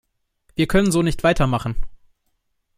Wir können so nicht weitermachen.